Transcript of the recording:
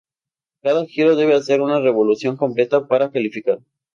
Cada giro debe hacer una revolución completa para calificar.